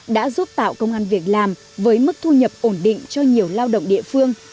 đã giúp tạo công an việc làm với mức thu nhập ổn định cho nhiều lao động địa phương